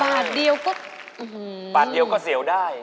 บาทเดียวก็อื้อฮือบาทเดียวก็เสียวได้